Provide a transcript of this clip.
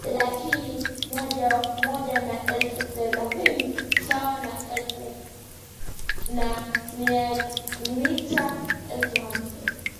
laki moja na elfu thelathini sawa na mita elfu hamsini